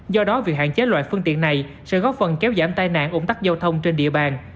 do đó việc hạn chế loại phương tiện này sẽ góp phần kéo giảm tai nạn ủng tắc giao thông trên địa bàn